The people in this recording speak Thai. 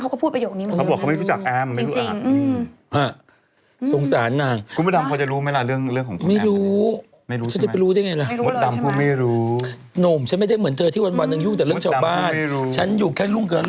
เขาก็พูดประโยคนี้เหมือนเดิมค่ะ